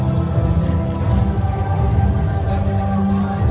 สโลแมคริปราบาล